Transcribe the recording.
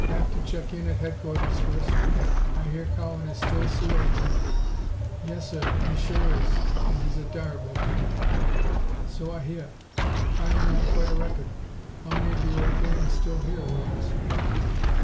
"Have to check in at headquarters first. I hear Cowan is still C.O." "Yes, sir. He sure is. And he's a darb, Lieutenant." "So I hear. Piling up quite a record. How many of the old gang still here, Williams?"